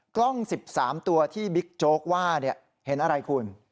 กล้อง๑๓ตัวที่บิ๊กโจ๊กว่าเห็นอะไรคุณ